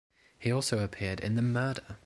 He also appeared in the Murder!